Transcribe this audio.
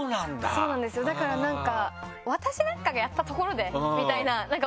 そうなんですよだからなんか。